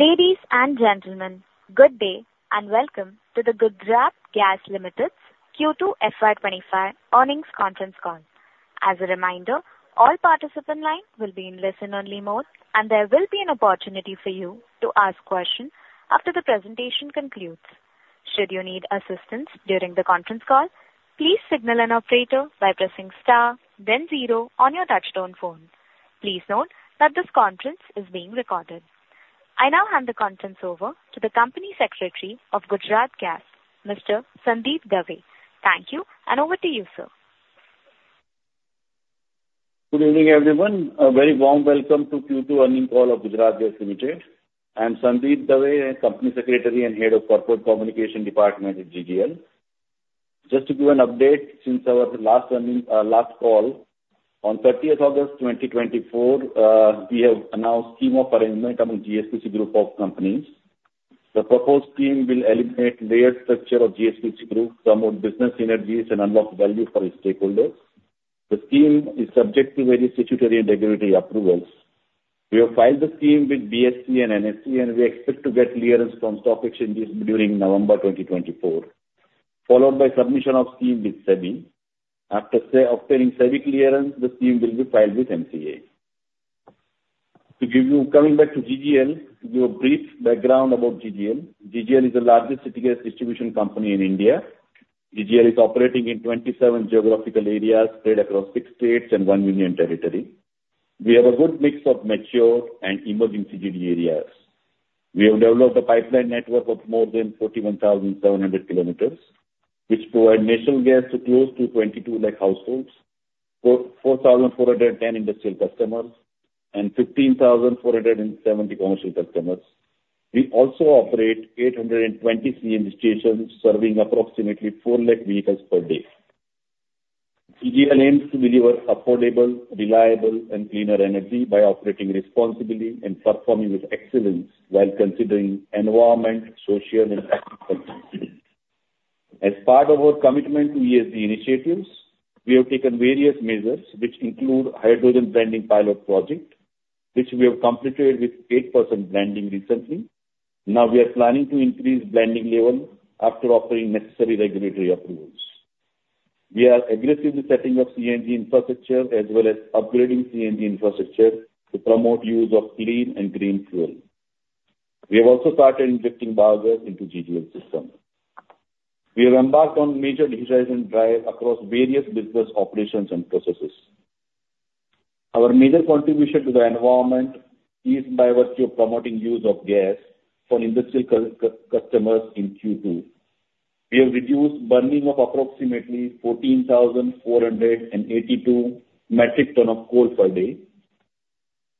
Ladies and gentlemen, good day and welcome to the Gujarat Gas Limited's Q2 FY25 earnings conference call. As a reminder, all participants' lines will be in listen-only mode, and there will be an opportunity for you to ask questions after the presentation concludes. Should you need assistance during the conference call, please signal an operator by pressing star, then zero on your touchstone phone. Please note that this conference is being recorded. I now hand the conference over to the Company Secretary of Gujarat Gas, Mr. Sandeep Dave. Thank you, and over to you, sir. Good evening, everyone. A very warm welcome to Q2 earnings call of Gujarat Gas Limited. I'm Sandeep Dave, Company Secretary and Head of Corporate Communication Department at GGL. Just to give an update, since our last call on 30th August 2024, we have announced a scheme of arrangement among GSPC Group of companies. The proposed scheme will eliminate the layered structure of GSPC Group, promote business synergies, and unlock value for its stakeholders. The scheme is subject to various statutory and regulatory approvals. We have filed the scheme with BSE and NSE, and we expect to get clearance from Stock Exchanges during November 2024, followed by submission of the scheme with SEBI. After obtaining SEBI clearance, the scheme will be filed with MCA. Coming back to GGL, to give a brief background about GGL, GGL is the largest city gas distribution company in India. GGL is operating in 27 geographical areas spread across six states and one union territory. We have a good mix of mature and emerging CGD areas. We have developed a pipeline network of more than 41,700 km, which provides natural gas to close to 22 lakh households, 4,410 industrial customers, and 15,470 commercial customers. We also operate 820 CNG stations, serving approximately 4 lakh vehicles per day. GGL aims to deliver affordable, reliable, and cleaner energy by operating responsibly and performing with excellence while considering environmental, social, and governance. As part of our commitment to ESG initiatives, we have taken various measures, which include the hydrogen blending pilot project, which we have completed with 8% blending recently. Now, we are planning to increase blending levels after obtaining necessary regulatory approvals. We are aggressively setting up CNG infrastructure as well as upgrading CNG infrastructure to promote the use of clean and green fuel. We have also started injecting biogas into the GGL system. We have embarked on major digitization drives across various business operations and processes. Our major contribution to the environment is by virtue of promoting the use of gas for industrial customers in Q2. We have reduced the burning of approximately 14,482 metric tons of coal per day.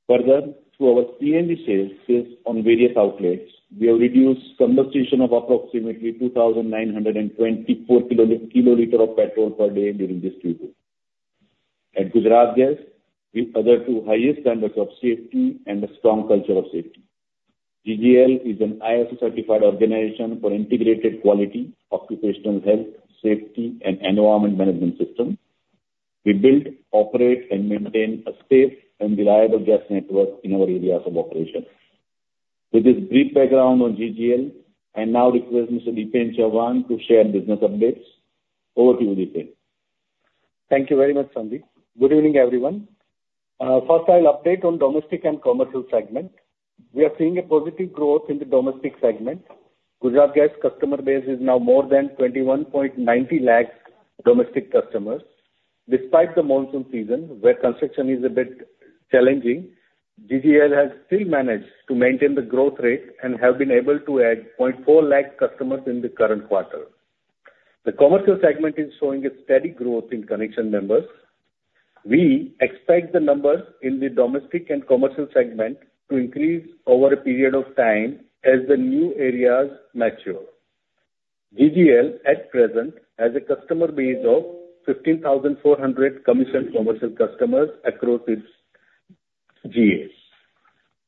Further, through our CNG sales on various outlets, we have reduced the combustion of approximately 2,924 kiloliters of petrol per day during this Q2. At Gujarat Gas, we have the two highest standards of safety and a strong culture of safety. GGL is an ISO-certified organization for integrated quality, occupational health, safety, and environment management systems. We build, operate, and maintain a safe and reliable gas network in our areas of operation. With this brief background on GGL, I now request Mr. Dipen Chauhan to share business updates. Over to you, Dipen. Thank you very much, Sandeep. Good evening, everyone. First, I'll update on the domestic and commercial segment. We are seeing a positive growth in the domestic segment. Gujarat Gas's customer base is now more than 21.90 lakh domestic customers. Despite the monsoon season, where construction is a bit challenging, GGL has still managed to maintain the growth rate and has been able to add 0.4 lakh customers in the current quarter. The commercial segment is showing a steady growth in connection members. We expect the numbers in the domestic and commercial segment to increase over a period of time as the new areas mature. GGL, at present, has a customer base of 15,400 commissioned commercial customers across its GAs.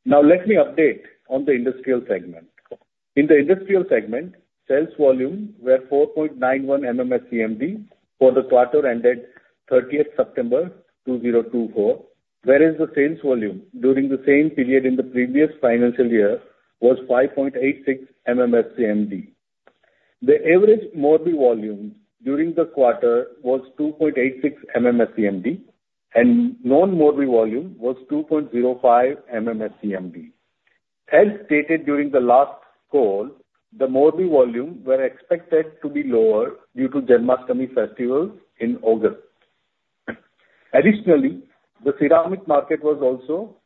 Now, let me update on the industrial segment. In the industrial segment, sales volume was 4.91 MMSCMD for the quarter ended 30th September 2024, whereas the sales volume during the same period in the previous financial year was 5.86 MMSCMD. The average Morbi volume during the quarter was 2.86 MMSCMD, and non-Morbi volume was 2.05 MMSCMD. As stated during the last call, the Morbi volume was expected to be lower due to the Janmashtami festival in August. Additionally, the ceramic market was also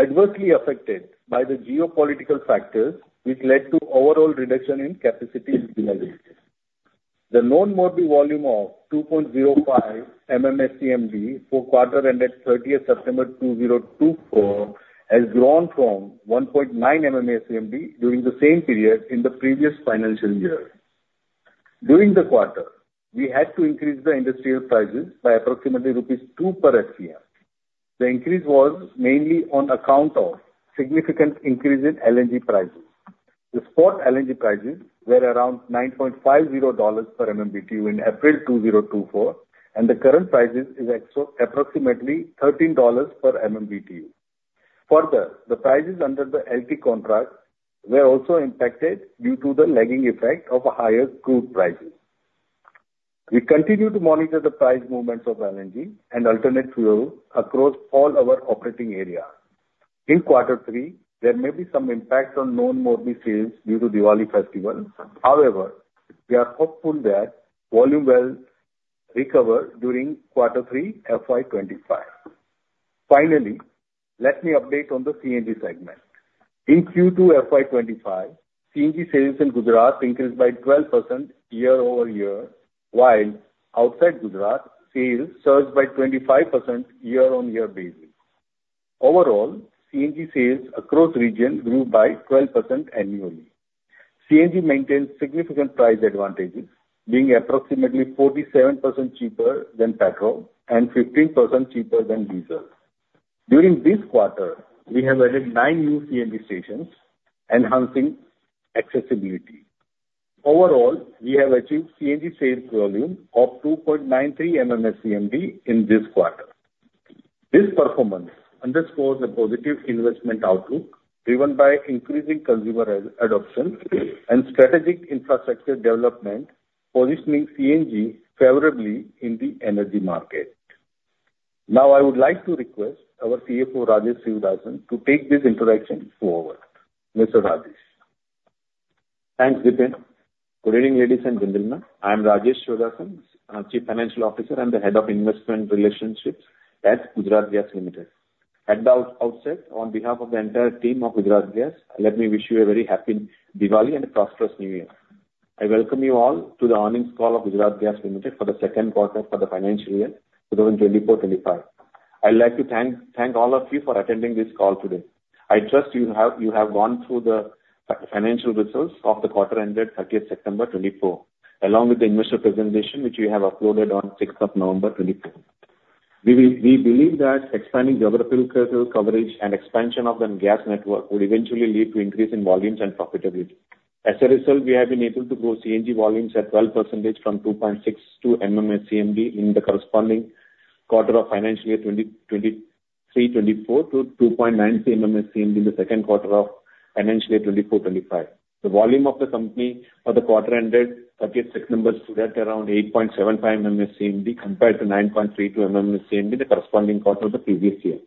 adversely affected by the geopolitical factors, which led to overall reduction in capacity utilization. The non-Morbi volume of 2.05 MMSCMD for the quarter ended 30th September 2024 has grown from 1.9 MMSCMD during the same period in the previous financial year. During the quarter, we had to increase the industrial prices by approximately ₹2 per SCM. The increase was mainly on account of a significant increase in LNG prices. The spot LNG prices were around $9.50 per MMBTU in April 2024, and the current price is approximately $13 per MMBTU. Further, the prices under the LT contract were also impacted due to the lagging effect of higher crude prices. We continue to monitor the price movements of LNG and alternate fuels across all our operating areas. In Q3, there may be some impact on non-Morbi sales due to Diwali festival. However, we are hopeful that volume will recover during Q3 FY25. Finally, let me update on the CNG segment. In Q2 FY25, CNG sales in Gujarat increased by 12% year-over-year, while outside Gujarat, sales surged by 25% year-on-year basis. Overall, CNG sales across the region grew by 12% annually. CNG maintains significant price advantages, being approximately 47% cheaper than petrol and 15% cheaper than diesel. During this quarter, we have added nine new CNG stations, enhancing accessibility. Overall, we have achieved CNG sales volume of 2.93 MMSCMD in this quarter. This performance underscores a positive investment outlook driven by increasing consumer adoption and strategic infrastructure development, positioning CNG favorably in the energy market. Now, I would like to request our CFO, Rajesh Sivadasan, to take this introduction forward. Mr. Rajesh. Thanks, Dipen. Good evening, ladies and gentlemen. I'm Rajesh Sivadasan, Chief Financial Officer and the Head of Investor Relations at Gujarat Gas Limited. At the outset, on behalf of the entire team of Gujarat Gas, let me wish you a very happy Diwali and a prosperous New Year. I welcome you all to the earnings call of Gujarat Gas Limited for the second quarter for the financial year 2024-2025. I'd like to thank all of you for attending this call today. I trust you have gone through the financial results of the quarter ended 30th September 2024, along with the initial presentation, which you have uploaded on 6th of November 2024. We believe that expanding geographical coverage and expansion of the gas network would eventually lead to an increase in volumes and profitability. As a result, we have been able to grow CNG volumes at 12% from 2.62 MMSCMD in the corresponding quarter of financial year 2023-24 to 2.93 MMSCMD in the second quarter of financial year 2024-25. The volume of the company for the quarter ended 30th September stood at around 8.75 MMSCMD compared to 9.32 MMSCMD in the corresponding quarter of the previous year.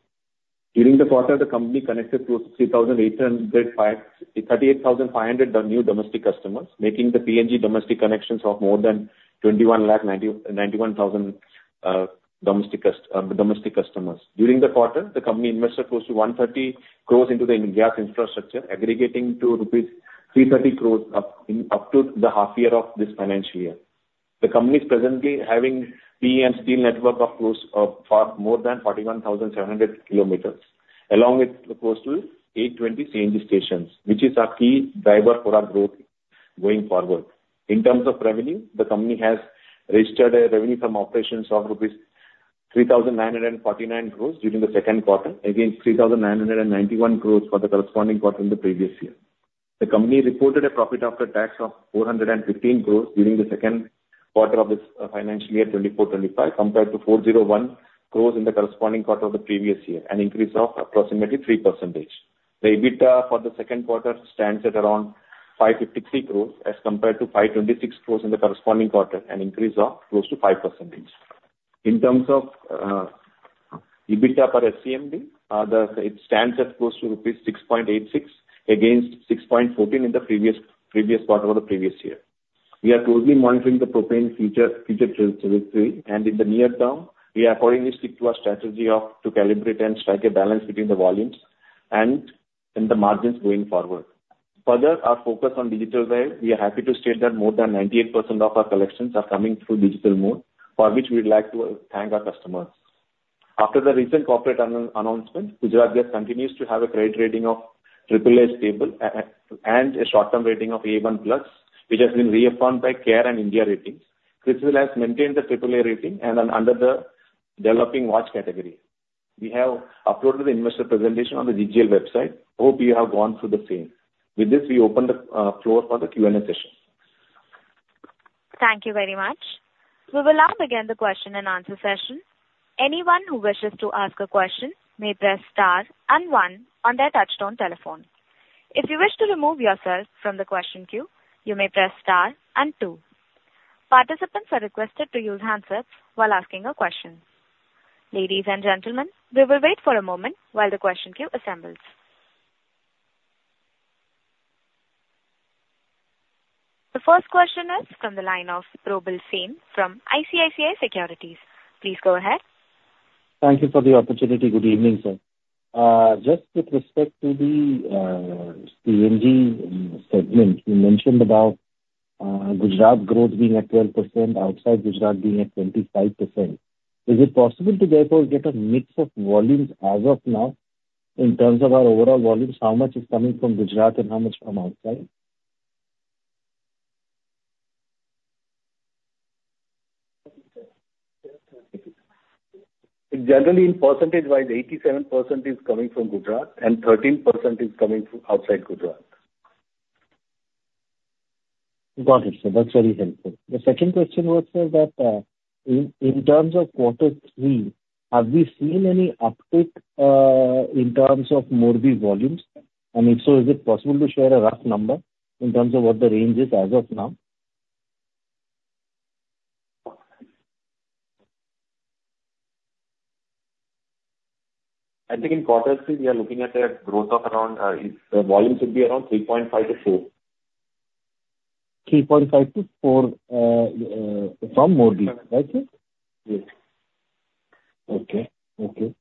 During the quarter, the company connected close to 38,500 new domestic customers, making the PNG domestic connections of more than 21,991,000 domestic customers. During the quarter, the company invested close to 130 crores into the gas infrastructure, aggregating to ₹330 crores up to the half year of this financial year. The company is presently having a PE and MS steel network of more than 41,700 kilometers, along with close to 820 CNG stations, which is a key driver for our growth going forward. In terms of revenue, the company has registered a revenue from operations of rupees 3,949 crores during the second quarter, against 3,991 crores for the corresponding quarter in the previous year. The company reported a profit after tax of 415 crores during the second quarter of this financial year 2024-25, compared to 415 crores in the corresponding quarter of the previous year, an increase of approximately 3%. The EBITDA for the second quarter stands at around 553 crores as compared to 526 crores in the corresponding quarter, an increase of close to 5%. In terms of EBITDA per SCMD, it stands at close to rupees 6.86, against 6.14 in the previous quarter of the previous year. We are closely monitoring the propane future trajectory, and in the near term, we are accordingly sticking to our strategy to calibrate and strike a balance between the volumes and the margins going forward. Further, our focus on digital wave. We are happy to state that more than 98% of our collections are coming through digital mode, for which we would like to thank our customers. After the recent corporate announcement, Gujarat Gas continues to have a credit rating of AAA stable and a short-term rating of A1 plus, which has been reaffirmed by CARE and India Ratings. CRISIL has maintained the AAA rating and is under the developing watch category. We have uploaded the investor presentation on the GGL website. Hope you have gone through the same. With this, we open the floor for the Q&A session. Thank you very much. We will now begin the question and answer session. Anyone who wishes to ask a question may press star and one on their touch-tone telephone. If you wish to remove yourself from the question queue, you may press star and two. Participants are requested to use handsets while asking a question. Ladies and gentlemen, we will wait for a moment while the question queue assembles. The first question is from the line of Probal Sen from ICICI Securities. Please go ahead. Thank you for the opportunity. Good evening, sir. Just with respect to the CNG segment, you mentioned about Gujarat growth being at 12%, outside Gujarat being at 25%. Is it possible to therefore get a mix of volumes as of now? In terms of our overall volumes, how much is coming from Gujarat and how much from outside? Generally, in percentage-wise, 87% is coming from Gujarat and 13% is coming from outside Gujarat. Got it, sir. That's very helpful. The second question was, sir, that in terms of Q3, have we seen any uptick in terms of Morbi volumes? And if so, is it possible to share a rough number in terms of what the range is as of now? I think in Q3, we are looking at a growth of around the volume should be around 3.5-4. 3.5-4 from Morbi, right, sir? Yes. Okay. Okay.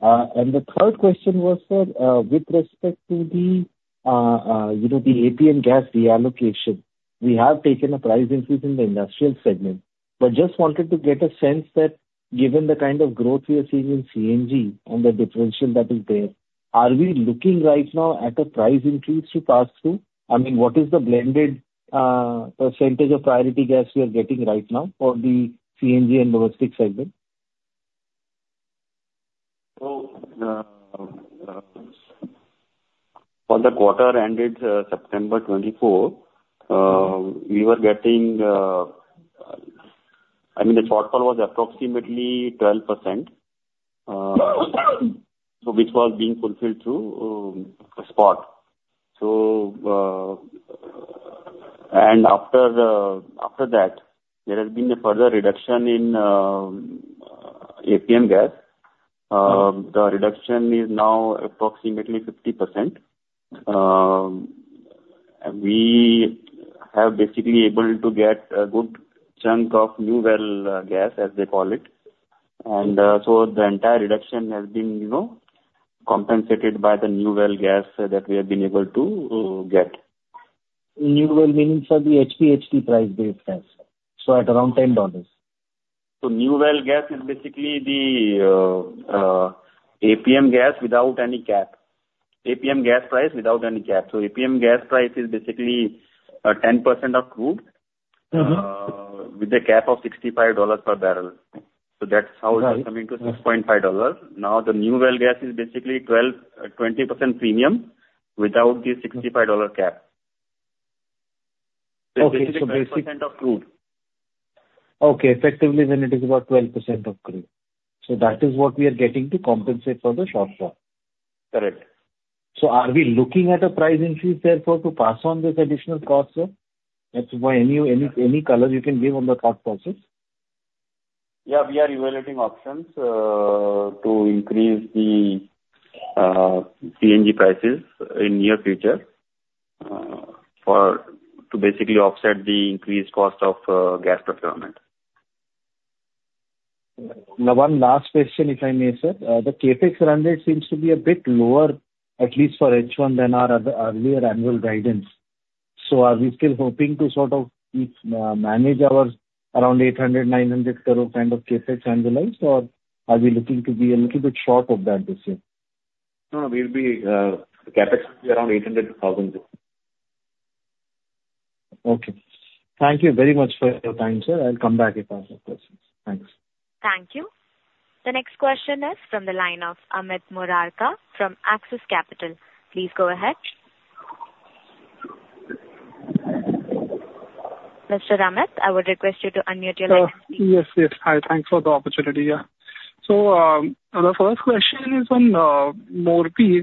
And the third question was, sir, with respect to the APM gas reallocation, we have taken a price increase in the industrial segment, but just wanted to get a sense that given the kind of growth we are seeing in CNG and the differential that is there, are we looking right now at a price increase to pass through? I mean, what is the blended percentage of priority gas we are getting right now for the CNG and domestic segment? So, for the quarter ended September 2024, we were getting, I mean, the shortfall was approximately 12%, which was being fulfilled through spot. And after that, there has been a further reduction in APM gas. The reduction is now approximately 50%. We have basically been able to get a good chunk of new well gas, as they call it. And so the entire reduction has been compensated by the new well gas that we have been able to get. New well meaning for the HPHT price-based gas, so at around $10? New well gas is basically the APM gas without any cap. APM gas price without any cap. APM gas price is basically 10% of crude with a cap of $65 per barrel. That's how it has come into $6.5. Now, the new well gas is basically 20% premium without the $65 cap. It's basically 10% of crude. Okay. Effectively, then it is about 12% of crude. So that is what we are getting to compensate for the shortfall. Correct. So are we looking at a price increase therefore to pass on this additional cost, sir? That's why any color you can give on the thought process. Yeah, we are evaluating options to increase the CNG prices in the near future to basically offset the increased cost of gas procurement. One last question, if I may, sir. The CapEx run rate seems to be a bit lower, at least for H1, than our earlier annual guidance. So are we still hoping to sort of manage around 800-900 crore kind of CapEx annualized, or are we looking to be a little bit short of that this year? No, no. We'll be capping around 800,000. Okay. Thank you very much for your time, sir. I'll come back if I have more questions. Thanks. Thank you. The next question is from the line of Amit Murarka from Axis Capital. Please go ahead. Mr. Amit, I would request you to unmute your line. Yes, yes. Hi. Thanks for the opportunity. Yeah, so the first question is on Morbi.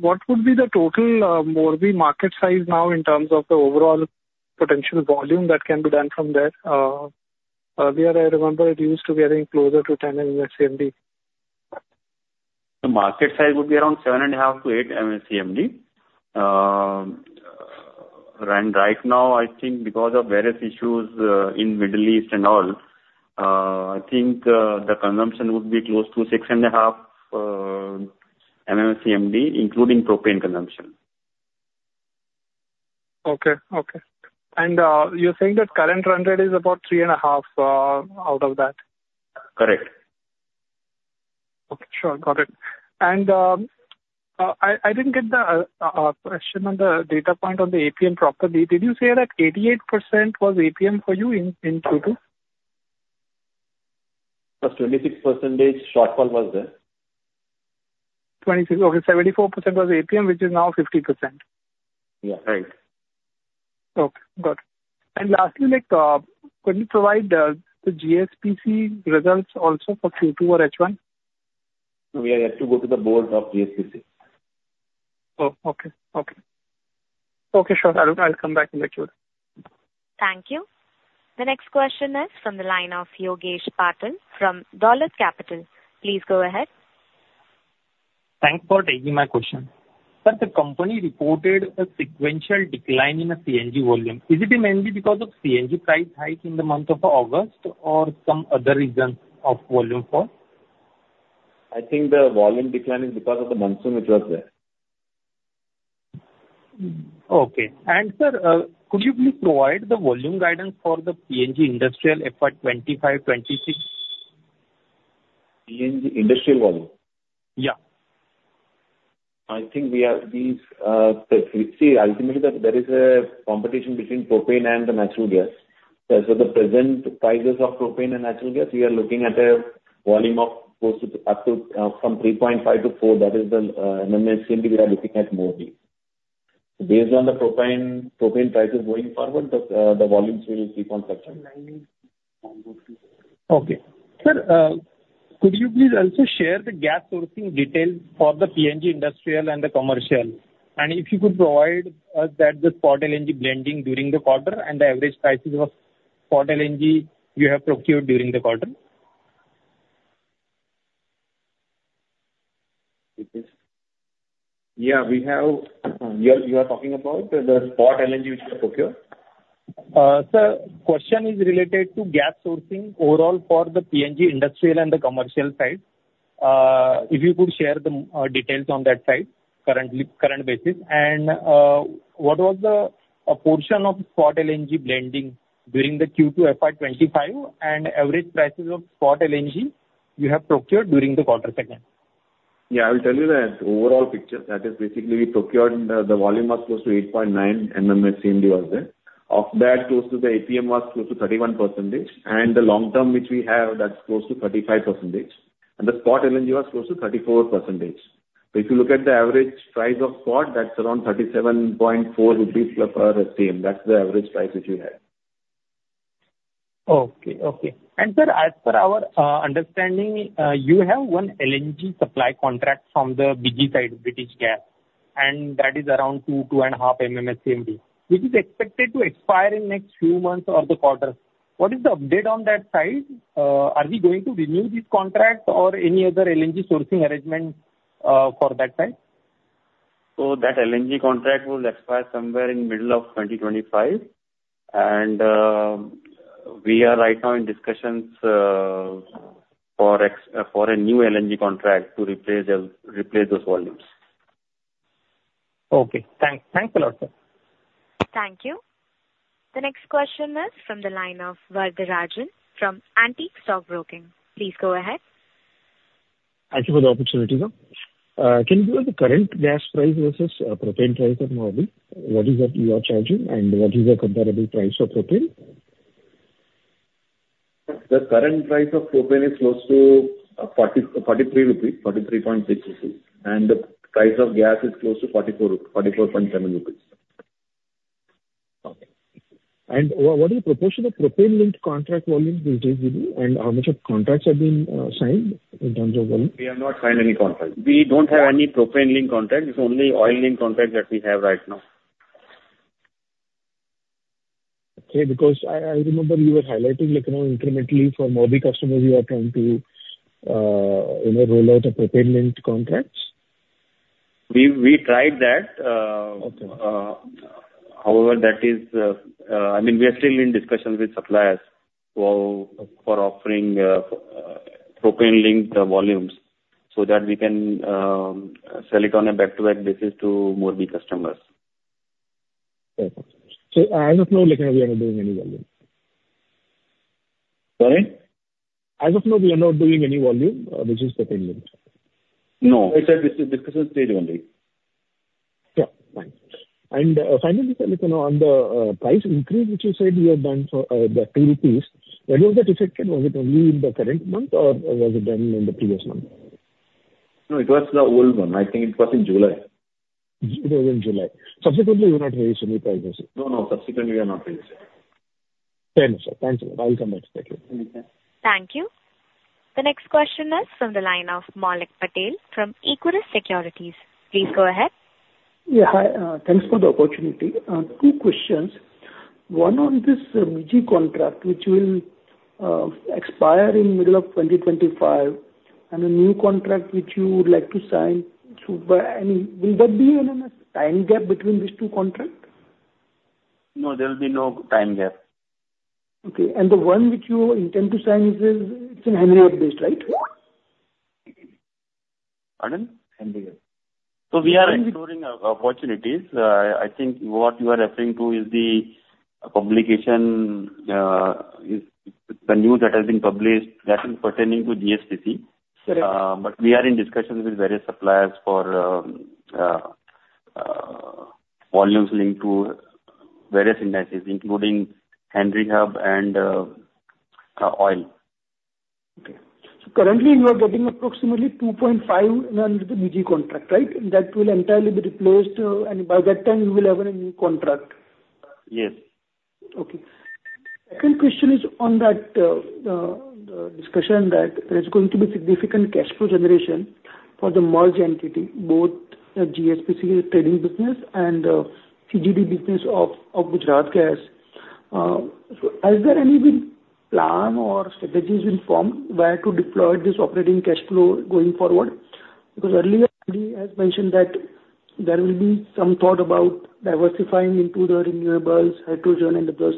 What would be the total Morbi market size now in terms of the overall potential volume that can be done from there? Earlier, I remember it used to be getting closer to 10 MMSCMD. The market size would be around 7.5-8 MMSCMD, and right now, I think because of various issues in the Middle East and all, I think the consumption would be close to 6.5 MMSCMD, including propane consumption. Okay. Okay. And you're saying that current run rate is about 3.5 out of that? Correct. Okay. Sure. Got it. And I didn't get the question on the data point on the APM proportion. Did you say that 88% was APM for you in Q2? It was 26% shortfall there. Okay. 74% was APM, which is now 50%. Yeah. Right. Okay. Got it. And lastly, could you provide the GSPC results also for Q2 or H1? We have to go to the board of GSPC. Oh, okay. Sure. I'll come back in the Q2. Thank you. The next question is from the line of Yogesh Patil from Dolat Capital. Please go ahead. Thanks for taking my question. Sir, the company reported a sequential decline in the CNG volume. Is it mainly because of CNG price hike in the month of August or some other reason of volume fall? I think the volume decline is because of the monsoon which was there. Okay. And, sir, could you please provide the volume guidance for the PNG industrial FY 2025-26? PNG industrial volume? Yeah. I think we are seeing, ultimately, there is a competition between propane and natural gas. As for the present prices of propane and natural gas, we are looking at a volume of up to from 3.5 to 4. That is the MMSCMD we are looking at Morbi. So based on the propane prices going forward, the volumes will keep on fluctuating. Okay. Sir, could you please also share the gas sourcing details for the PNG industrial and the commercial? And if you could provide us that the spot LNG blending during the quarter and the average prices of spot LNG you have procured during the quarter? Yeah. You are talking about the spot LNG which we have procured? Sir, question is related to gas sourcing overall for the PNG industrial and the commercial side. If you could share the details on that side, current basis. And what was the portion of spot LNG blending during the Q2 FY 25 and average prices of spot LNG you have procured during the quarter segment? Yeah. I will tell you the overall picture. That is basically we procured the volume was close to 8.9 MMSCMD was there. Of that, close to the APM was close to 31%. And the long-term which we have, that's close to 35%. And the spot LNG was close to 34%. So if you look at the average price of spot, that's around ₹37.4 per SCM. That's the average price which we had. Okay. Okay. And sir, as per our understanding, you have one LNG supply contract from the BG side, British Gas. And that is around 2-2.5 MMSCMD, which is expected to expire in the next few months or the quarter. What is the update on that side? Are we going to renew these contracts or any other LNG sourcing arrangement for that side? So that LNG contract will expire somewhere in the middle of 2025. And we are right now in discussions for a new LNG contract to replace those volumes. Okay. Thanks. Thanks a lot, sir. Thank you. The next question is from the line of Varatharajan from Antique Stock Broking. Please go ahead. Thank you for the opportunity, sir. Can you give us the current gas price versus propane price at Morbi? What is that you are charging, and what is the comparable price for propane? The current price of propane is close to 43.6 rupees. The price of gas is close to 44.7 rupees. Okay. And what is the proportion of propane-linked contract volume these days? And how much of contracts have been signed in terms of volume? We have not signed any contracts. We don't have any propane-linked contracts. It's only oil-linked contracts that we have right now. Okay. Because I remember you were highlighting incrementally for Morbi customers you are trying to roll out propane-linked contracts. We tried that. However, that is, I mean, we are still in discussion with suppliers for offering propane-linked volumes so that we can sell it on a back-to-back basis to Morbi customers. Okay, so as of now, we are not doing any volume. Sorry? As of now, we are not doing any volume, which is propane-linked. No. It's a discussion stage only. Yeah. Thanks. And finally, sir, on the price increase which you said you had done for INR 2, when was that effective? Was it only in the current month, or was it done in the previous month? No, it was the old one. I think it was in July. It was in July. Subsequently, you're not raising any prices? No, no. Subsequently, we are not raising. Fair enough, sir. Thanks a lot. I'll come back to that. Thank you. The next question is from the line of Maulik Patel from Equirus Securities. Please go ahead. Yeah. Hi. Thanks for the opportunity. Two questions. One on this BG contract, which will expire in the middle of 2025, and a new contract which you would like to sign. I mean, will there be a time gap between these two contracts? No, there will be no time gap. Okay. And the one which you intend to sign, it's in Henry Hub based, right? Pardon? Henry Hub. So we are exploring opportunities. I think what you are referring to is the publication, the news that has been published, that is pertaining to GSPC. But we are in discussions with various suppliers for volumes linked to various indices, including Henry Hub and oil. Okay, so currently, you are getting approximately 2.5 million with the BG contract, right? That will entirely be replaced, and by that time, you will have a new contract? Yes. Okay. Second question is on that discussion that there is going to be significant cash flow generation for the merged entity, both GSPC trading business and CGD business of Gujarat Gas. So has there any plan or strategies been formed where to deploy this operating cash flow going forward? Because earlier, JB has mentioned that there will be some thought about diversifying into the renewables, hydrogen, and others.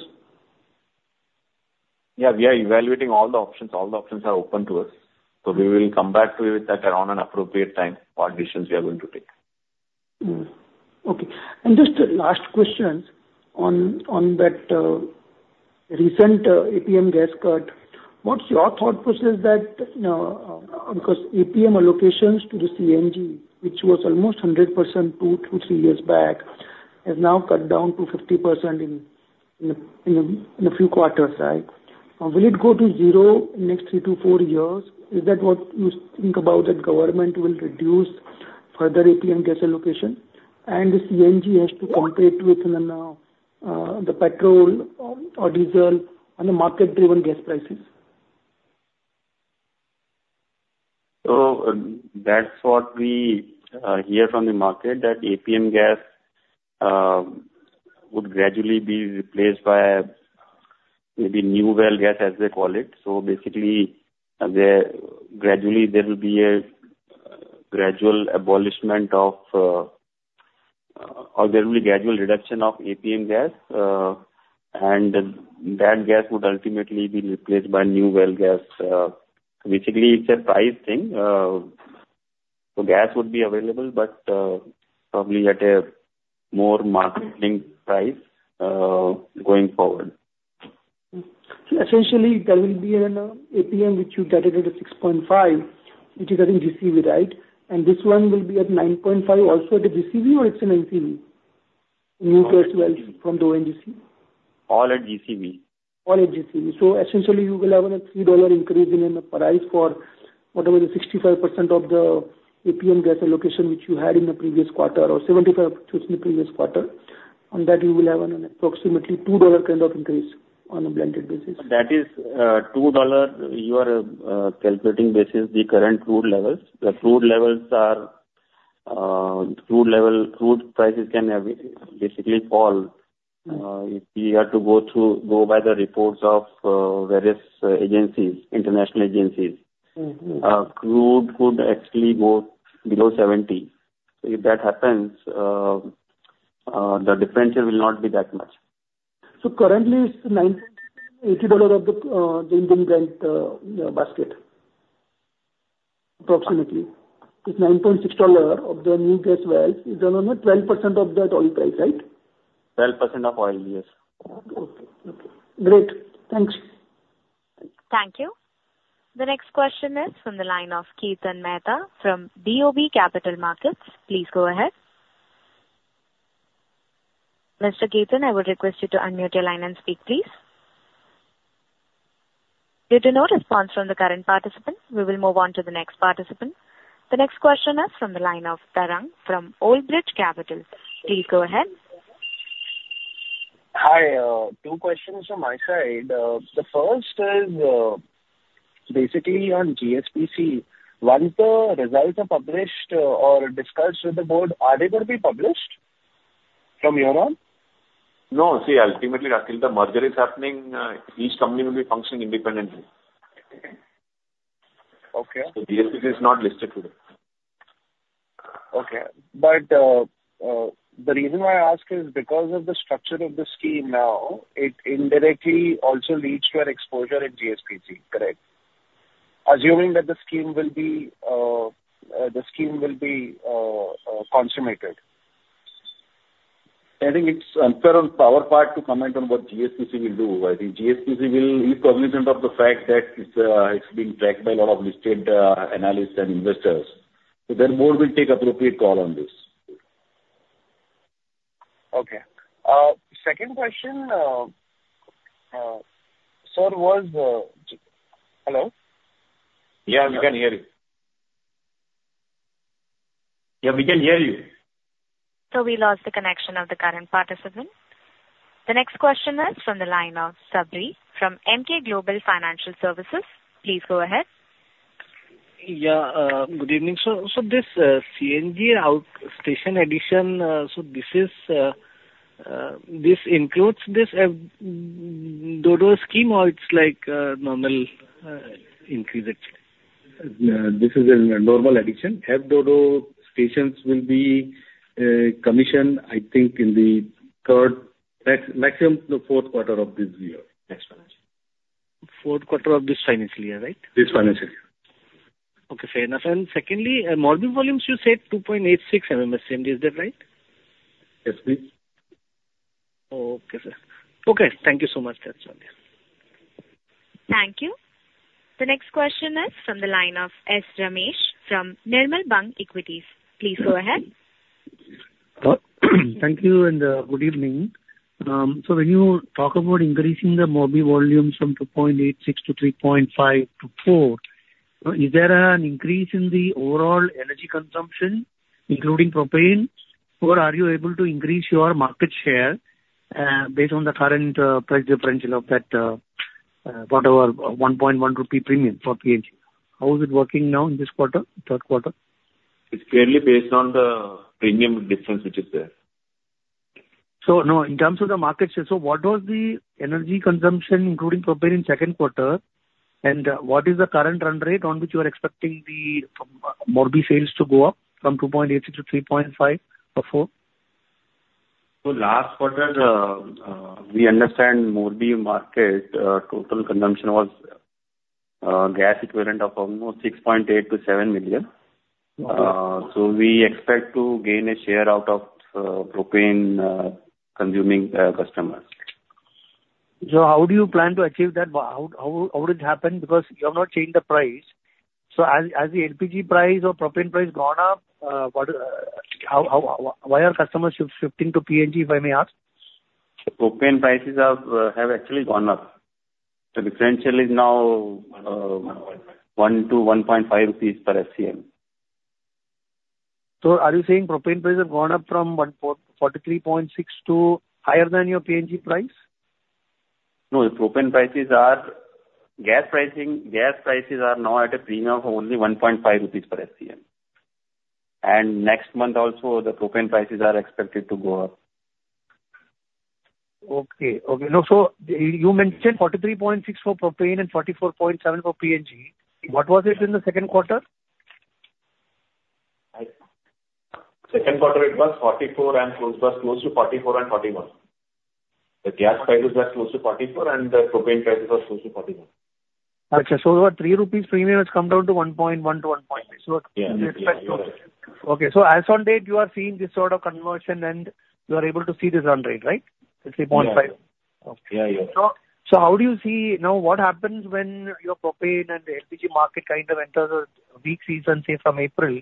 Yeah. We are evaluating all the options. All the options are open to us. So we will come back to you with that around an appropriate time, what decisions we are going to take. Okay. And just last question on that recent APM gas cut. What's your thought process that because APM allocations to the CNG, which was almost 100% two to three years back, has now cut down to 50% in a few quarters, right? Will it go to zero in the next three to four years? Is that what you think about that government will reduce further APM gas allocation? And the CNG has to compete with the petrol or diesel and the market-driven gas prices? So that's what we hear from the market, that APM gas would gradually be replaced by maybe new well gas, as they call it. So basically, gradually, there will be a gradual abolishment of or there will be gradual reduction of APM gas. And that gas would ultimately be replaced by new well gas. Basically, it's a price thing. So gas would be available, but probably at a more market-linked price going forward. Essentially, there will be an APM which you get it at $6.5, which is at GCV, right? And this one will be at $9.5 also at GCV, or it's an NCV? New gas wells from the ONGC? All at GCV. All at GCV. So essentially, you will have a $3 increase in the price for whatever the 65% of the APM gas allocation which you had in the previous quarter or 75% in the previous quarter. On that, you will have an approximately $2 kind of increase on a blended basis. That is $2 you are calculating based on the current crude levels. The crude levels, or crude prices, can basically fall. If we are to go by the reports of various agencies, international agencies, crude could actually go below $70. So if that happens, the differential will not be that much. So currently, it's $9.80 of the changing brand basket, approximately. It's $9.6 of the new well gas is around 12% of the oil price, right? 12% of oil, yes. Okay. Okay. Great. Thanks. Thank you. The next question is from the line of Kirtan Mehta from BOB Capital Markets. Please go ahead. Mr. Kirtan, I would request you to unmute your line and speak, please. Due to no response from the current participant, we will move on to the next participant. The next question is from the line of Tarang from Old Bridge Capital. Please go ahead. Hi. Two questions from my side. The first is basically on GSPC. Once the results are published or discussed with the board, are they going to be published from here on? No. See, ultimately, until the merger is happening, each company will be functioning independently. Okay. So GSPC is not listed today. Okay. But the reason why I ask is because of the structure of the scheme now, it indirectly also leads to an exposure in GSPC, correct? Assuming that the scheme will be consummated. I think it's unfair on our part to comment on what GSPC will do. I think GSPC will be cognizant of the fact that it's being tracked by a lot of listed analysts and investors. So the board will take appropriate call on this. Okay. Second question, sir, was hello? Yeah. We can hear you. Yeah. We can hear you. So we lost the connection of the current participant. The next question is from the line of Sabri from Emkay Global Financial Services. Please go ahead. Yeah. Good evening, sir. So this CNG outstation addition, so this includes this FDODO scheme or it's like normal increase? This is a normal addition. FDODO stations will be commissioned, I think, in the third, maximum the fourth quarter of this year. Next quarter. Fourth quarter of this financial year, right? This financial year. Okay. Fair enough. And secondly, Morbi volumes, you said 2.86 MMSCMD. Is that right? Yes, please. Okay, sir. Okay. Thank you so much, sir. Thank you. The next question is from the line of S. Ramesh from Nirmal Bang Equities. Please go ahead. Thank you and good evening. So when you talk about increasing the Morbi volumes from 2.86 to 3.5 to 4, is there an increase in the overall energy consumption, including propane, or are you able to increase your market share based on the current price differential of that whatever ₹1.1 premium for PNG? How is it working now in this quarter, third quarter? It's clearly based on the premium difference which is there. So now, in terms of the market share, so what was the energy consumption, including propane, in second quarter? And what is the current run rate on which you are expecting the Morbi sales to go up from 2.86 to 3.5 or 4? Last quarter, we understand Morbi market total consumption was gas equivalent of almost 6.8-7 million. We expect to gain a share out of propane-consuming customers. So how do you plan to achieve that? How did it happen? Because you have not changed the price. So has the LPG price or propane price gone up? Why are customers shifting to PNG, if I may ask? So propane prices have actually gone up. The differential is now 1-1.5 rupees per SCM. So are you saying propane prices have gone up from 43.6 to higher than your PNG price? No. The propane prices to gas prices are now at a premium of only 1.5 rupees per SCM. Next month, also, the propane prices are expected to go up. Okay. So you mentioned 43.6 for propane and 44.7 for PNG. What was it in the second quarter? Second quarter, it was 44 and it was close to 44 and 41. The gas prices were close to 44, and the propane prices were close to 41. Okay. So your 3 rupees premium has come down to 1.1-1.6. Yeah. Yeah. Okay. So as of date, you are seeing this sort of conversion, and you are able to see this run rate, right? It's 3.5. Yeah. Yeah. So how do you see now what happens when your propane and LPG market kind of enters a weak season, say, from April?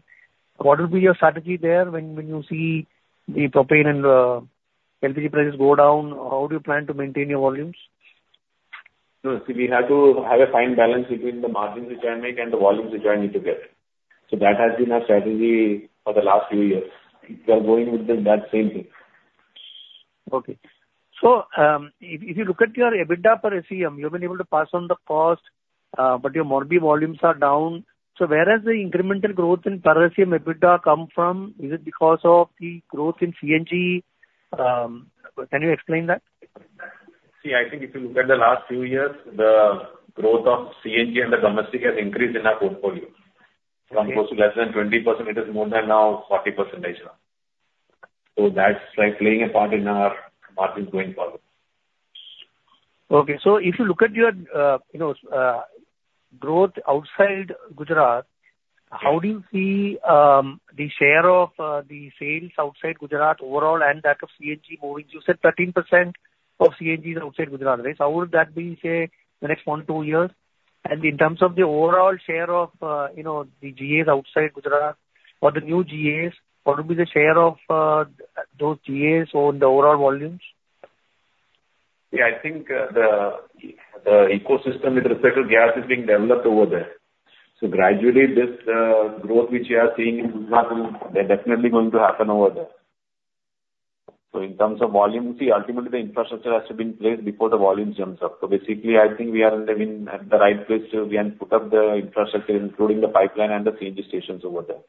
What will be your strategy there when you see the propane and LPG prices go down? How do you plan to maintain your volumes? No. See, we have to have a fine balance between the margins which I make and the volumes which I need to get. So that has been our strategy for the last few years. We are going with that same thing. Okay. So if you look at your EBITDA per SCM, you've been able to pass on the cost, but your Morbi volumes are down. So where has the incremental growth in per SCM EBITDA come from? Is it because of the growth in CNG? Can you explain that? See, I think if you look at the last few years, the growth of CNG and the domestic has increased in our portfolio. From close to less than 20%, it is more than now 40%. So that's like playing a part in our margins going forward. Okay. So if you look at your growth outside Gujarat, how do you see the share of the sales outside Gujarat overall and that of CNG moving? You said 13% of CNG is outside Gujarat, right? So how would that be, say, the next 1-2 years? And in terms of the overall share of the GAs outside Gujarat or the new GAs, what would be the share of those GAs on the overall volumes? Yeah. I think the ecosystem with respect to gas is being developed over there, so gradually, this growth which you are seeing in Gujarat, they're definitely going to happen over there, so in terms of volume, see, ultimately, the infrastructure has to be in place before the volumes jump up. So basically, I think we are in the right place to go and put up the infrastructure, including the pipeline and the CNG stations over there,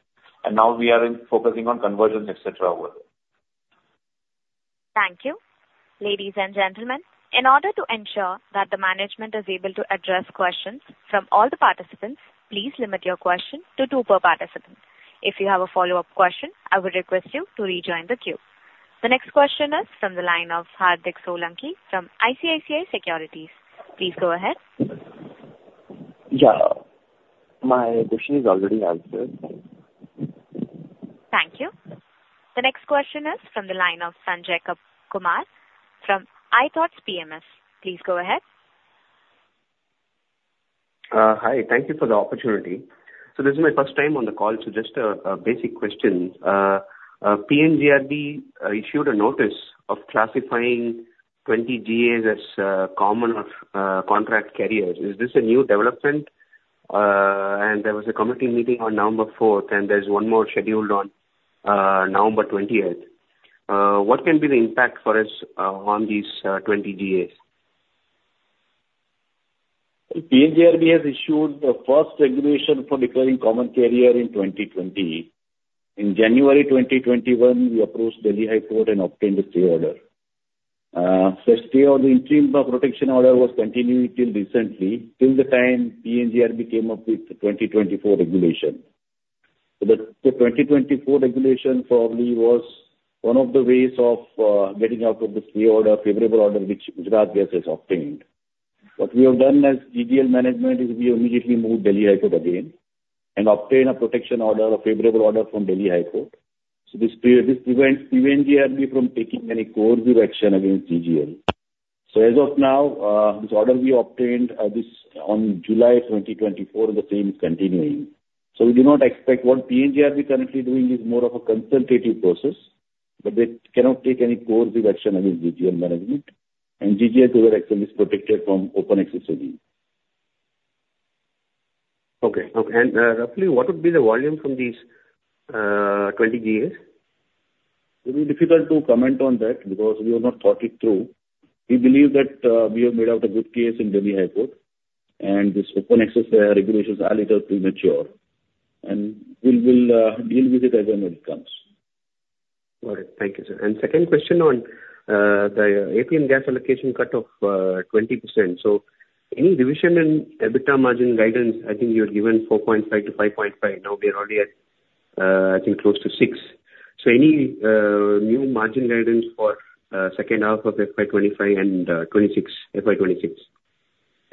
and now we are focusing on conversions, etc., over there. Thank you. Ladies and gentlemen, in order to ensure that the management is able to address questions from all the participants, please limit your question to two per participant. If you have a follow-up question, I would request you to rejoin the queue. The next question is from the line of Hardik Solanki from ICICI Securities. Please go ahead. Yeah. My question is already answered. Thank you. The next question is from the line of Sanjay Kumar from ithoughtpms. Please go ahead. Hi. Thank you for the opportunity. So this is my first time on the call. So just a basic question. PNGRB issued a notice of classifying 20 GAs as common contract carriers. Is this a new development? And there was a committee meeting on November 4th, and there's one more scheduled on November 20th. What can be the impact for us on these 20 GAs? PNGRB has issued the first regulation for declaring common carrier in 2020. In January 2021, we approached Delhi High Court and obtained a stay order. The stay order, the interim protection order, was continued until recently, till the time PNGRB came up with the 2024 regulation. So the 2024 regulation probably was one of the ways of getting out of the stay order, favorable order, which Gujarat Gas has obtained. What we have done as GGL management is we immediately moved Delhi High Court again and obtained a protection order, a favorable order from Delhi High Court. So this prevents PNGRB from taking any coercive action against GGL. So as of now, this order we obtained on July 2024, the same is continuing. So we do not expect what PNGRB is currently doing is more of a consultative process, but they cannot take any coercive action against GGL management. GGL, to their extent, is protected from open access review. Okay, and roughly, what would be the volume from these 20 GAs? It will be difficult to comment on that because we have not thought it through. We believe that we have made out a good case in Delhi High Court, and these open access regulations are a little premature, and we will deal with it as and when it comes. All right. Thank you, sir. And second question on the APM gas allocation cut of 20%. So any revision in EBITDA margin guidance? I think you had given 4.5%-5.5%. Now we are already at, I think, close to 6%. So any new margin guidance for second half of FY25 and FY26? I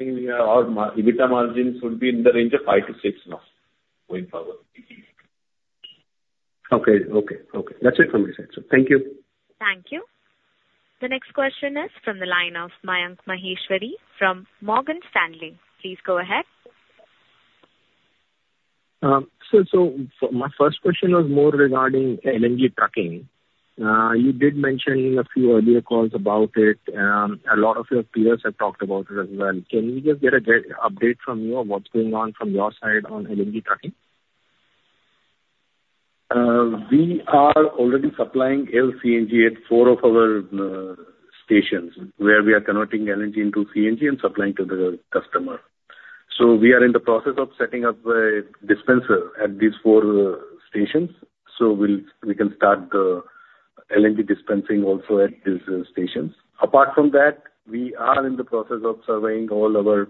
think our EBITDA margins would be in the range of 5%-6% now, going forward. Okay. That's it from my side, sir. Thank you. Thank you. The next question is from the line of Mayank Maheshwari from Morgan Stanley. Please go ahead. Sir, so my first question was more regarding LNG trucking. You did mention a few earlier calls about it. A lot of your peers have talked about it as well. Can we just get an update from you on what's going on from your side on? We are already supplying LCNG at four of our stations where we are converting LNG into CNG and supplying to the customer. So we are in the process of setting up a dispenser at these four stations. So we can start the LNG dispensing also at these stations. Apart from that, we are in the process of surveying all our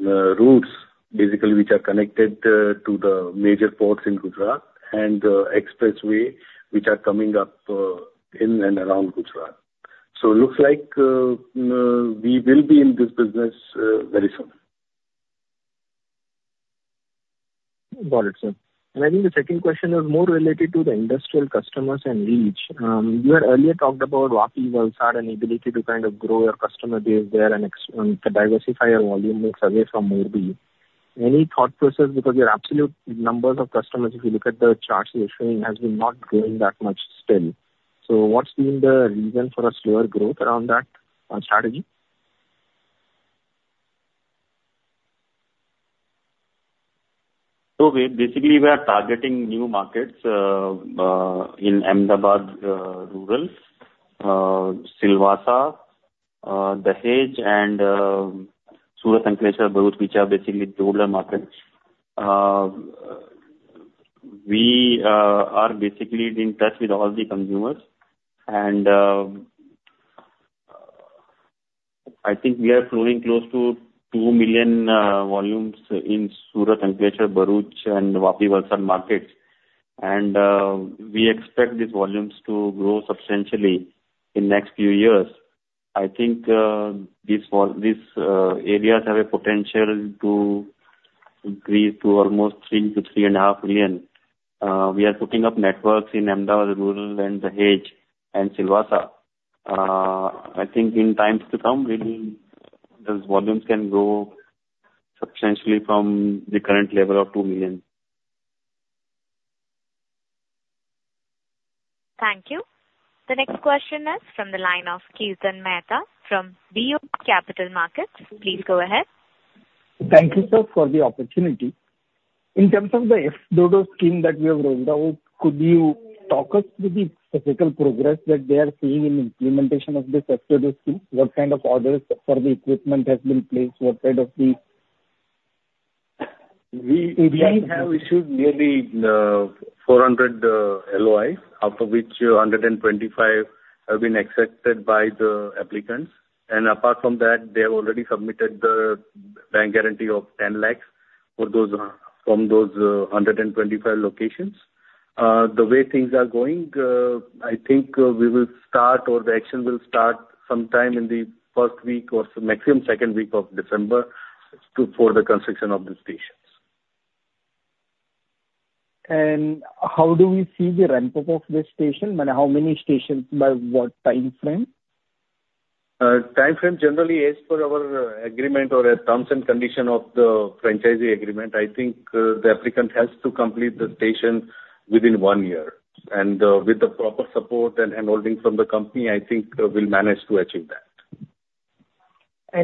routes, basically, which are connected to the major ports in Gujarat and the expressway, which are coming up in and around Gujarat. So it looks like we will be in this business very soon. Got it, sir. And I think the second question is more related to the industrial customers and reach. You had earlier talked about Vapi, Valsad, and the ability to kind of grow your customer base there and diversify your volume away from Morbi. Any thought process because your absolute numbers of customers, if you look at the charts you're showing, have been not growing that much still. So what's been the reason for a slower growth around that strategy? So basically, we are targeting new markets in Ahmedabad Rural, Silvassa, Dahej, and Surat, Ankleshwar, Bharuch, which are basically the older markets. We are basically in touch with all the consumers. And I think we are flowing close to two million volumes in Surat, Ankleshwar, Bharuch, and Vapi, Valsad markets. And we expect these volumes to grow substantially in the next few years. I think these areas have a potential to increase to almost three to 3.5 million. We are putting up networks in Ahmedabad rural and Dahej and Silvassa. I think in times to come, maybe those volumes can grow substantially from the current level of two million. Thank you. The next question is from the line of Kirtan Mehta from BOB Capital Markets. Please go ahead. Thank you, sir, for the opportunity. In terms of the FDODO scheme that we have rolled out, could you talk us through the specific progress that they are seeing in implementation of this FDODO scheme? What kind of orders for the equipment have been placed? What kind of APMs? We have issued nearly 400 LOIs, out of which 125 have been accepted by the applicants. And apart from that, they have already submitted the bank guarantee of 10 lakhs from those 125 locations. The way things are going, I think we will start, or the action will start sometime in the first week or maximum second week of December for the construction of the stations. And how do we see the ramp-up of this station? I mean, how many stations by what time frame? Time frame generally is per our agreement or terms and conditions of the franchisee agreement. I think the applicant has to complete the station within one year. And with the proper support and handholding from the company, I think we'll manage to achieve that.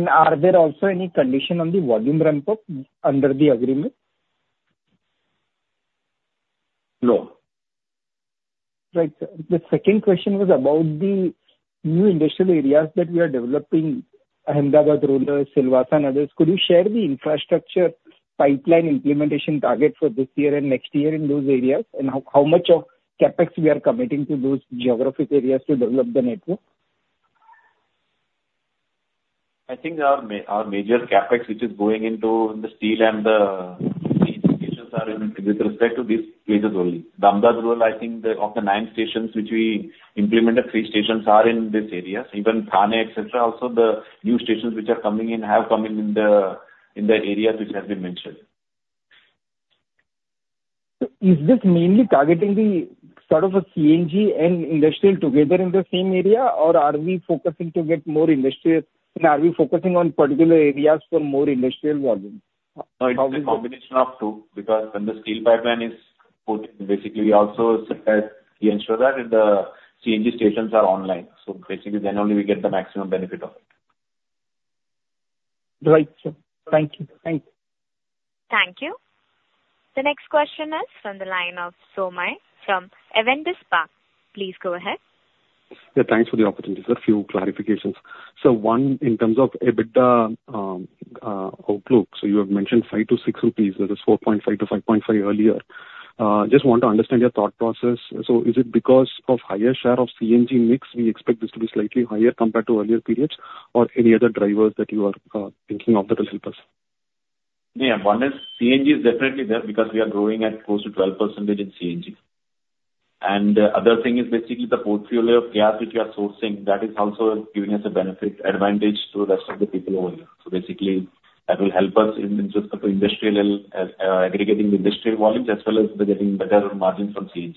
Are there also any conditions on the volume ramp-up under the agreement? No. Right. The second question was about the new industrial areas that we are developing: Ahmedabad rural, Silvassa, and others. Could you share the infrastructure pipeline implementation targets for this year and next year in those areas? And how much of CapEx we are committing to those geographic areas to develop the network? I think our major CapEx, which is going into the steel and the stations are with respect to these places only. Ahmedabad Rural, I think of the nine stations which we implemented three stations are in these areas. Even Thane, etc., also the new stations which are coming in have come in the areas which have been mentioned. So is this mainly targeting the sort of CNG and industrial together in the same area, or are we focusing to get more industrial? And are we focusing on particular areas for more industrial volume? It's a combination of two because when the steel pipeline is put in, basically, we also ensure that the CNG stations are online. So basically, then only we get the maximum benefit of it. Right, sir. Thank you. Thank you. Thank you. The next question is from the line of Somaiah from Avendus Spark. Please go ahead. Yeah. Thanks for the opportunity, sir. A few clarifications. So one, in terms of EBITDA outlook, so you have mentioned ₹5-₹6. There is ₹4.5-₹5.5 earlier. Just want to understand your thought process. So is it because of higher share of CNG mix? We expect this to be slightly higher compared to earlier periods? Or any other drivers that you are thinking of that will help us? The advantage? CNG is definitely there because we are growing at close to 12% in CNG. And the other thing is basically the portfolio of gas which we are sourcing. That is also giving us a benefit advantage to the rest of the people over here. So basically, that will help us in terms of aggregating the industrial volumes as well as getting better margins from CNG.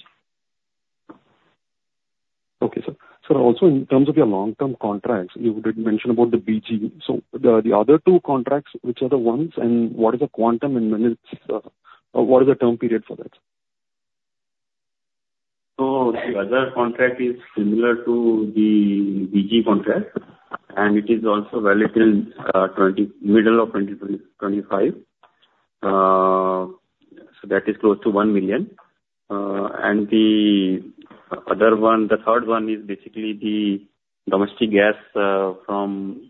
Okay, sir. So also, in terms of your long-term contracts, you did mention about the BG. So the other two contracts, which are the ones, and what is the quantum and what is the term period for that? So the other contract is similar to the BG contract, and it is also valid till middle of 2025. So that is close to one million. And the other one, the third one is basically the domestic gas from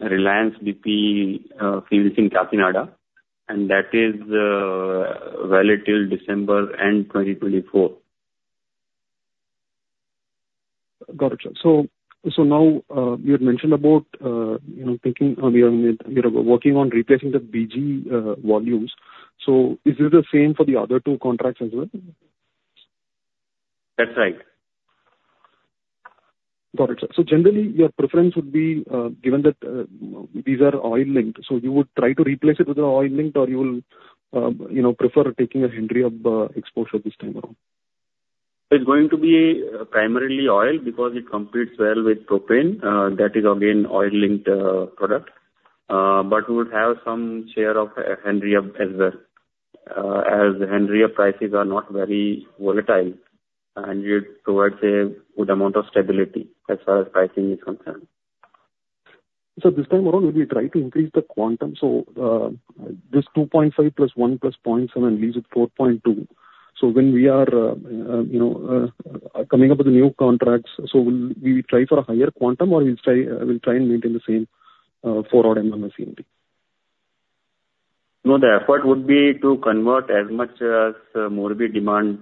Reliance BP fields in Kakinada. And that is valid till December end 2024. Got it, sir. So now you had mentioned about thinking you're working on replacing the BG volumes. So is it the same for the other two contracts as well? That's right. Got it, sir. So generally, your preference would be, given that these are oil-linked, so you would try to replace it with an oil-linked, or you will prefer taking a Henry Hub exposure this time around? It's going to be primarily oil because it competes well with propane. That is, again, oil-linked product. But we would have some share of Henry Hub as well. As Henry Hub prices are not very volatile, and it provides a good amount of stability as far as pricing is concerned. This time around, will we try to increase the quantum? This 2.5 plus 1 plus 0.7 leaves it 4.2. When we are coming up with the new contracts, so will we try for a higher quantum, or will we try and maintain the same 4.1 CNG? No, the effort would be to convert as much as Morbi demand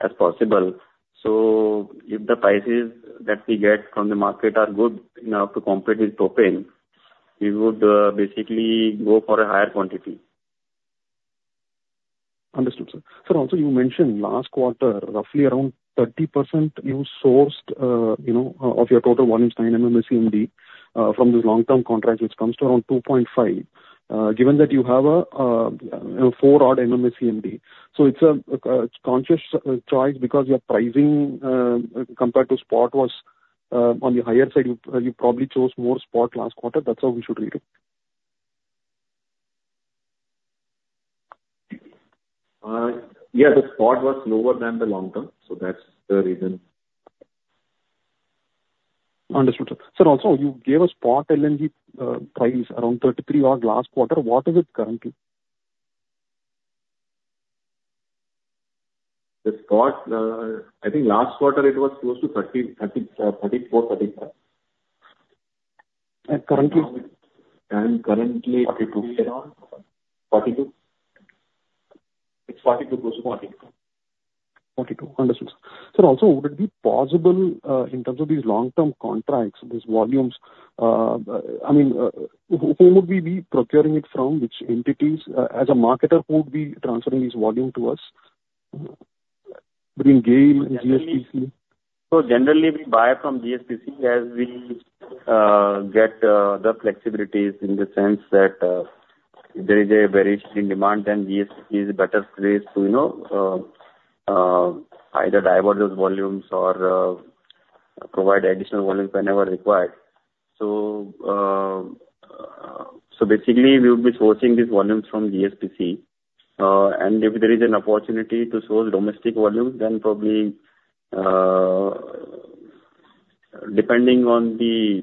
as possible, so if the prices that we get from the market are good enough to compete with propane, we would basically go for a higher quantity. Understood, sir. So also, you mentioned last quarter, roughly around 30% you sourced of your total volumes, 9 MMSCMD, from these long-term contracts, which comes to around 2.5. Given that you have a 4.0 MMSCMD, so it's a conscious choice because your pricing compared to spot was on the higher side. You probably chose more spot last quarter. That's how we should read it. Yeah, the spot was lower than the long-term, so that's the reason. Understood, sir. So also, you gave a spot LNG price around $33 USD last quarter. What is it currently? The spot? I think last quarter, it was close to 34, 35. And currently? Currently, it would be around 42. It's 42, close to 42. Understood, sir. So also, would it be possible in terms of these long-term contracts, these volumes? I mean, who would we be procuring it from? Which entities? As a marketer, who would be transferring these volumes to us? Between GAIL and GSPC? So generally, we buy from GSPC as we get the flexibilities in the sense that there is a variation in demand, and GSPC is a better place to either divert those volumes or provide additional volumes whenever required. So basically, we would be sourcing these volumes from GSPC. And if there is an opportunity to source domestic volumes, then probably depending on the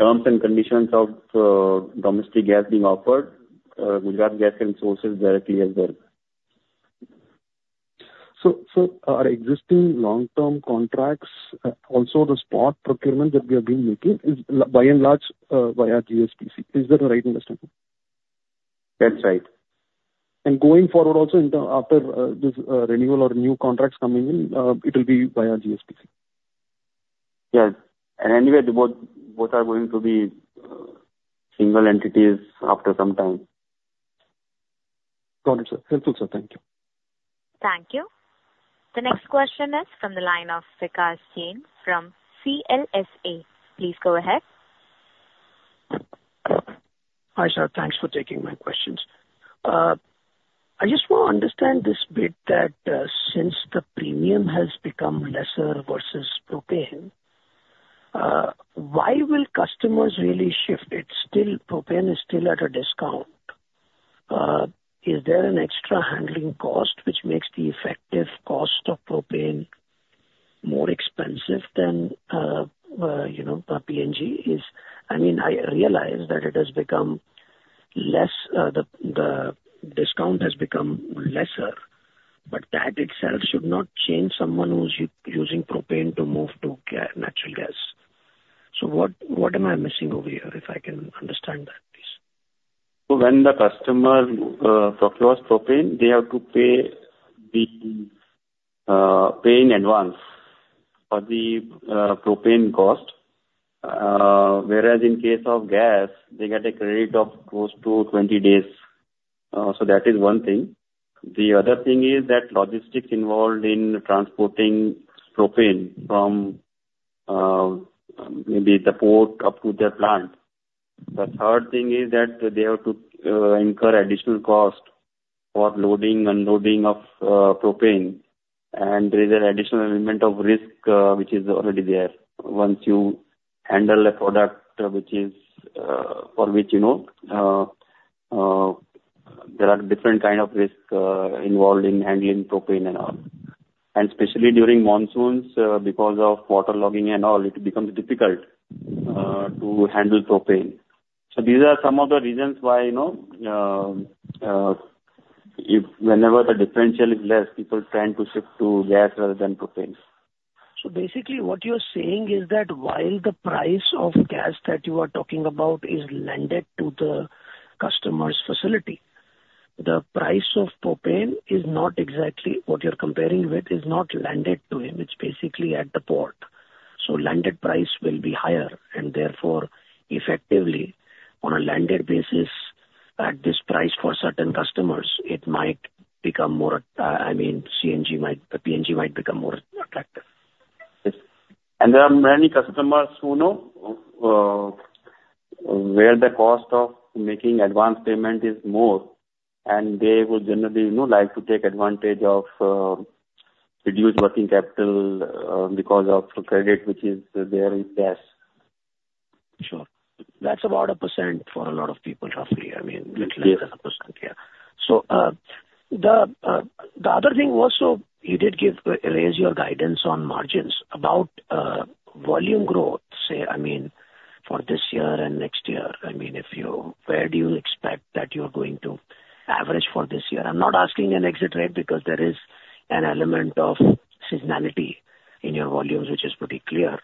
terms and conditions of domestic gas being offered, Gujarat Gas can source it directly as well. So are existing long-term contracts also the spot procurement that we have been making is by and large via GSPC? Is that the right understanding? That's right. Going forward also, after this renewal or new contracts coming in, it will be via GSPC? Yes. And anyway, both are going to be single entities after some time. Got it, sir. Helpful, sir. Thank you. Thank you. The next question is from the line of Vikas Jain from CLSA. Please go ahead. Hi, sir. Thanks for taking my questions. I just want to understand this bit that since the premium has become lesser versus propane, why will customers really shift? Propane is still at a discount. Is there an extra handling cost which makes the effective cost of propane more expensive than PNG? I mean, I realize that it has become less. The discount has become lesser. But that itself should not change someone who's using propane to move to natural gas. So what am I missing over here? If I can understand that, please. When the customer procures propane, they have to pay in advance for the propane cost. Whereas in case of gas, they get a credit of close to 20 days. That is one thing. The other thing is that logistics involved in transporting propane from maybe the port up to their plant. The third thing is that they have to incur additional cost for loading and unloading of propane. And there is an additional element of risk which is already there once you handle a product for which there are different kinds of risks involved in handling propane and all. And especially during monsoons, because of waterlogging and all, it becomes difficult to handle propane. These are some of the reasons why whenever the differential is less, people tend to shift to gas rather than propane. So basically, what you're saying is that while the price of gas that you are talking about is landed to the customer's facility, the price of propane is not exactly what you're comparing with, is not landed to him. It's basically at the port. So landed price will be higher. And therefore, effectively, on a landed basis, at this price for certain customers, it might become more—I mean, CNG might become more attractive. And there are many customers who know where the cost of making advance payment is more. And they would generally like to take advantage of reduced working capital because of credit which is there in gas. Sure. That's about a % for a lot of people, roughly. I mean, less than a %, yeah. So the other thing was, so you did raise your guidance on margins about volume growth, say, I mean, for this year and next year. I mean, where do you expect that you're going to average for this year? I'm not asking an exit rate because there is an element of seasonality in your volumes, which is pretty clear.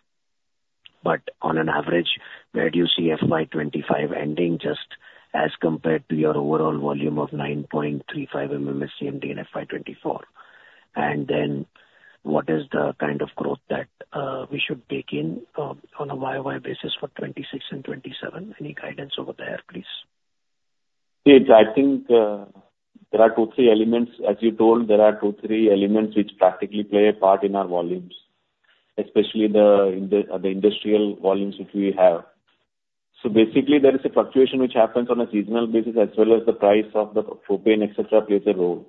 But on an average, where do you see FY25 ending just as compared to your overall volume of 9.35 MMSCMD and FY24? And then what is the kind of growth that we should take in on a YOY basis for 2026 and 2027? Any guidance over there, please? I think there are two, three elements. As you told, there are two, three elements which practically play a part in our volumes, especially the industrial volumes which we have. So basically, there is a fluctuation which happens on a seasonal basis, as well as the price of the propane, etc., plays a role.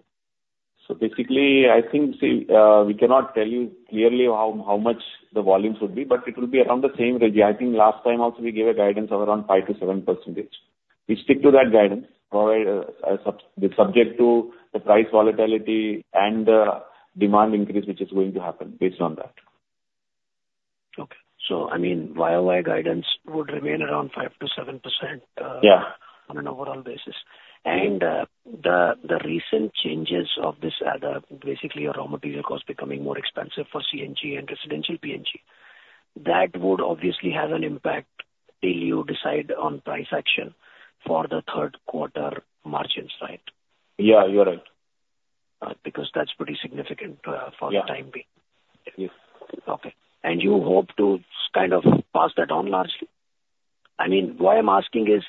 So basically, I think we cannot tell you clearly how much the volumes would be, but it will be around the same range. I think last time also, we gave a guidance of around 5%-7%. We stick to that guidance, subject to the price volatility and demand increase which is going to happen based on that. Okay. So I mean, YOY guidance would remain around 5%-7% on an overall basis. And the recent changes of this, basically, your raw material cost becoming more expensive for CNG and residential PNG, that would obviously have an impact till you decide on price action for the third quarter margins, right? Yeah, you're right. Because that's pretty significant for the time being. Yeah. Okay. And you hope to kind of pass that on largely? I mean, why I'm asking is,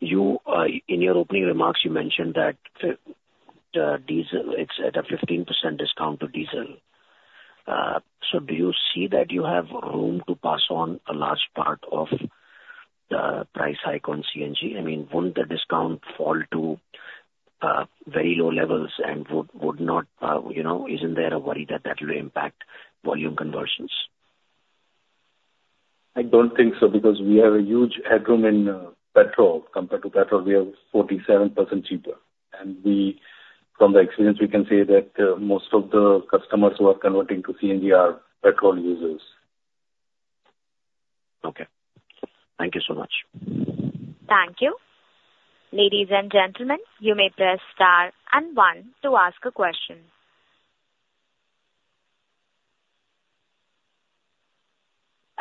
in your opening remarks, you mentioned that CNG is at a 15% discount to diesel. So do you see that you have room to pass on a large part of the price hike on CNG? I mean, wouldn't the discount fall to very low levels and would not—isn't there a worry that that will impact volume conversions? I don't think so because we have a huge headroom in petrol. Compared to petrol, we are 47% cheaper. And from the experience, we can say that most of the customers who are converting to CNG are petrol users. Okay. Thank you so much. Thank you. Ladies and gentlemen, you may press star and one to ask a question.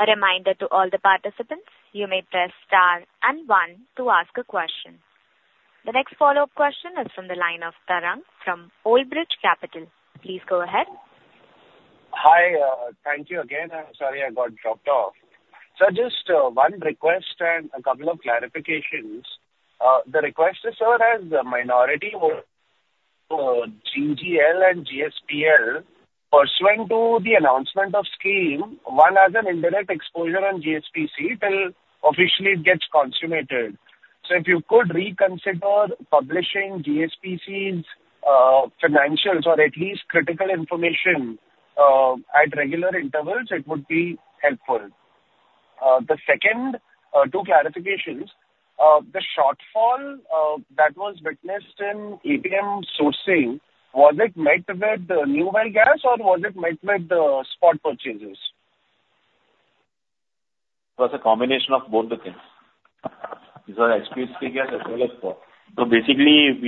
A reminder to all the participants, you may press star and one to ask a question. The next follow-up question is from the line of Tarang from Old Bridge Capital. Please go ahead. Hi. Thank you again. I'm sorry I got dropped off. So just one request and a couple of clarifications. The request is as a minority vote, GGL and GSPL pursuant to the announcement of scheme, one has an indirect exposure on GSPC till officially it gets consummated. So if you could reconsider publishing GSPC's financials or at least critical information at regular intervals, it would be helpful. The second, two clarifications. The shortfall that was witnessed in APM sourcing, was it met with new well gas or was it met with spot purchases? It was a combination of both the things. These are HPHT gas as well as spot. So basically,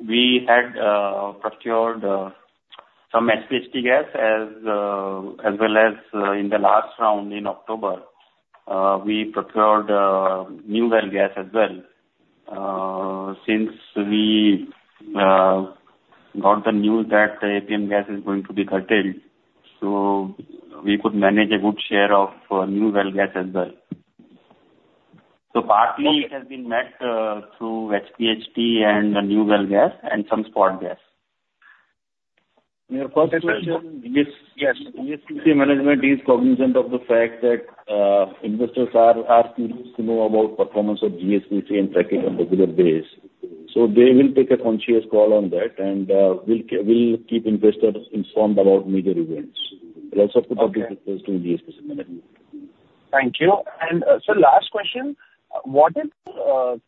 we had procured some HPHT gas as well as in the last round in October, we procured new well gas as well. Since we got the news that the APM gas is going to be curtailed, so we could manage a good share of new well gas as well. So partly, it has been met through HPHT and new well gas and some spot gas. Your first question is GSPC management is cognizant of the fact that investors are curious to know about performance of GSPC and track it on a regular basis. So they will take a conscious call on that and will keep investors informed about major events. I'll also put up the request to GSPC management. Thank you. And so, last question, what is the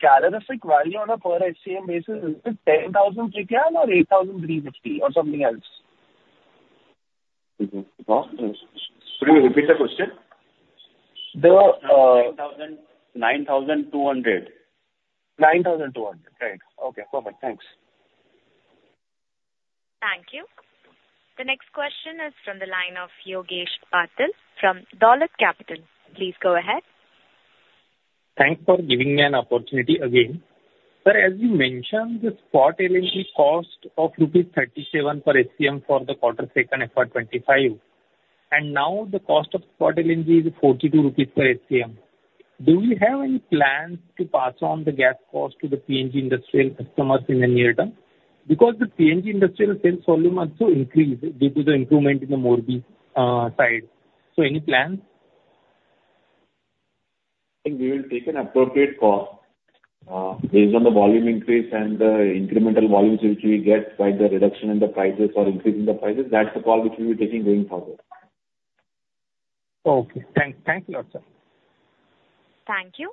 characteristic value on a per SCM basis? Is it 10,000 kcal or 8,350 or something else? Could you repeat the question? The 9,200. 9,200. Great. Okay. Perfect. Thanks. Thank you. The next question is from the line of Yogesh Patil from Dolat Capital. Please go ahead. Thanks for giving me an opportunity again. Sir, as you mentioned, the spot LNG cost of INR 37 per SCM for the quarter second FY25. And now the cost of spot LNG is 42 rupees per SCM. Do we have any plans to pass on the gas cost to the PNG industrial customers in the near term? Because the PNG industrial sales volume also increased due to the improvement in the Morbi side. So any plans? I think we will take an appropriate call based on the volume increase and the incremental volumes which we get by the reduction in the prices or increase in the prices. That's the call which we will be taking going forward. Okay. Thank you a lot, sir. Thank you.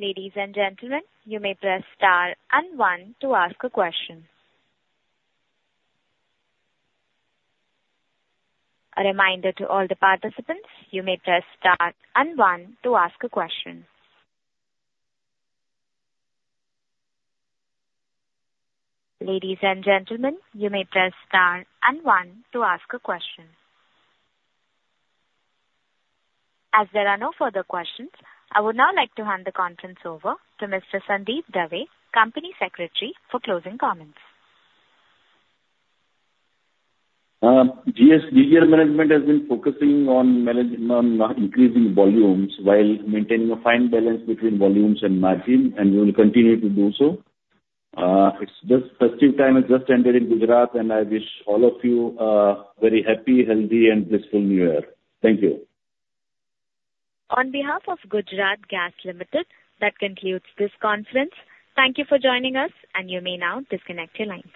Ladies and gentlemen, you may press star and one to ask a question. A reminder to all the participants, you may press star and one to ask a question. Ladies and gentlemen, you may press star and one to ask a question. As there are no further questions, I would now like to hand the conference over to Mr. Sandeep Dave, Company Secretary, for closing comments. GSPC management has been focusing on increasing volumes while maintaining a fine balance between volumes and margin, and we will continue to do so. The festive time has just ended in Gujarat, and I wish all of you a very happy, healthy, and blissful New Year. Thank you. On behalf of Gujarat Gas Limited, that concludes this conference. Thank you for joining us, and you may now disconnect your line.